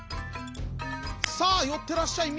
「さあよってらっしゃい。